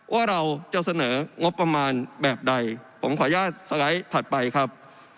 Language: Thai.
ว่าเราจะเสนองบประมาณแบบใดผมขออนุญาตสไลด์ถัดไปครับ